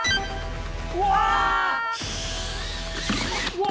うわ。